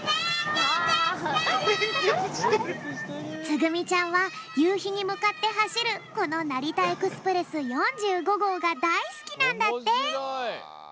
つぐみちゃんはゆうひにむかってはしるこのなりたエクスプレス４５ごうがだいすきなんだって。